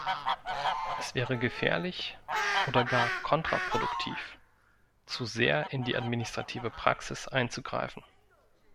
Es wäre gefährlich oder gar kontraproduktiv, zu sehr in die administrative Praxis einzugreifen.